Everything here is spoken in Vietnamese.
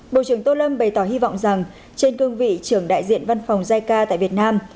bộ trưởng tô lâm bày tỏ hy vọng rằng trên cương vị trưởng đại diện văn phòng jica tại việt nam